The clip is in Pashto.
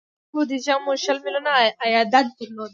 په دې بودجه مو شل میلیونه عایدات درلودل.